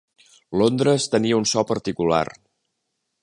Londres tenia un so particular.